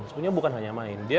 sebenarnya bukan hanya main